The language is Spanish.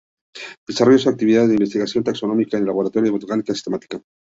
Desarrolla sus actividades de investigación taxonómica en el Laboratorio de Botánica Sistemática.